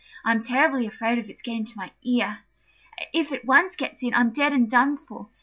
I'm terribly afraid of its getting into my ear: if it once gets in, I'm dead and done for."